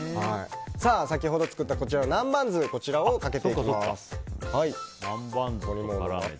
先ほど作った南蛮酢をかけていきます。